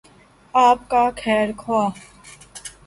آپ کا خیرخواہ۔